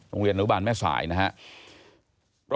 โรงเรียนอุบาลแม่สายนะครับ